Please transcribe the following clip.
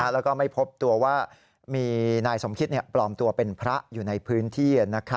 แล้วก็ไม่พบตัวว่ามีนายสมคิตปลอมตัวเป็นพระอยู่ในพื้นที่